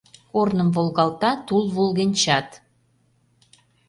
Корным волгалта тул волгенчат!